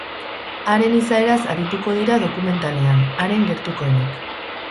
Haren izaeraz arituko dira dokumentalean, haren gertukoenek.